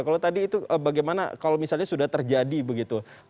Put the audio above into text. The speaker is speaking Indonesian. kalau tadi itu bagaimana kalau misalnya sudah terjadi begitu